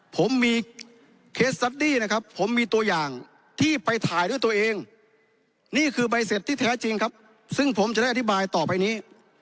ผมมีเคสซัดดี้นะครับผมมีตัวอย่างที่ไปถ่ายด้วยตัวเองนี่คือใบเสร็จที่แท้จริงครับซึ่งผมจะได้อธิบายต่อไปนี้